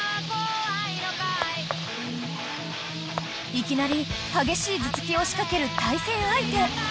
［いきなり激しい頭突きを仕掛ける対戦相手］